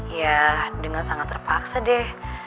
ya dengan sangat terpaksa deh